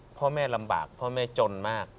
พ่อแม่ลำบากพ่อแม่จนมาก